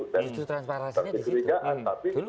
justru transparansinya di situ